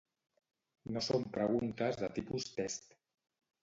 No són preguntes de tipus test.